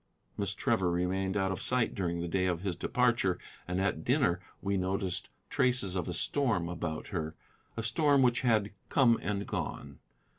Miss Trevor remained out of sight during the day of his departure, and at dinner we noticed traces of a storm about her, a storm which had come and gone.